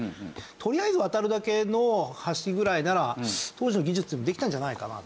とりあえず渡るだけの橋ぐらいなら当時の技術でもできたんじゃないかなと。